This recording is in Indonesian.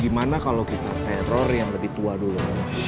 gimana kalau kita teror yang lebih tua dulu